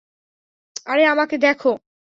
আরে আমাকে দেখো।